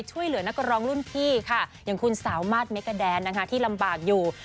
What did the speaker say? ช่วยเหลือนักร้องรุ่นพี่ค่ะอย่างคุณสามารถเมกาแดนนะคะที่ลำบากอยู่